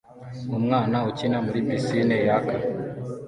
Umwana ukina muri pisine yaka